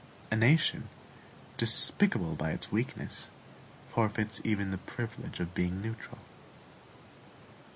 A nation, despicable by its weakness, forfeits even the privilege of being neutral.